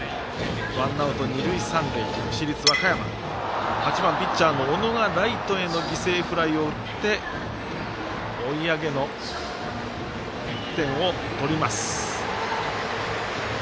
ワンアウト、二塁三塁市立和歌山８番ピッチャーの小野ライトへの犠牲フライを打って追い上げの１点を取ります。